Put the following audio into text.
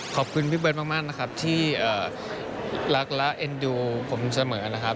ขอบคุณพี่เบิร์ดมากนะครับที่รักและเอ็นดูผมเสมอนะครับ